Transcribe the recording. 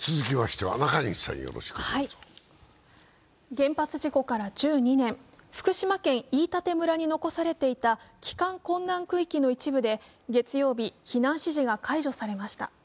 原発事故から１２年、福島県飯舘村に残されていた帰還困難区域の一部で月曜日、避難指示が解除されました。